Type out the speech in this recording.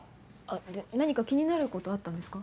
で何か気になることあったんですか？